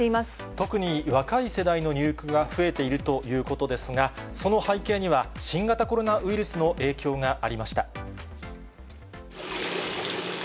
特に若い世代の入居が増えているということですが、その背景には、新型コロナウイルスの影響がありました。